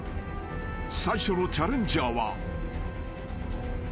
［最初のチャレンジャーは］